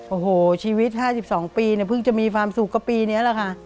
โอ้โหชีวิต๕๒ปีเนี่ยเพิ่งจะมีความสุขก็ปีนี้แหละค่ะ